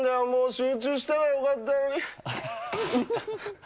集中したらよかったよ。